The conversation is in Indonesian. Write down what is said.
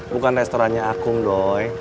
bukan restorannya akung doi